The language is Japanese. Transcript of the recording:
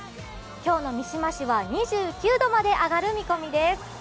今日の三島市は２９度まで上がる見込みです。